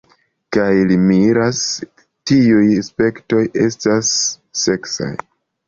Kaj li miras: tiuj spertoj estis seksaj.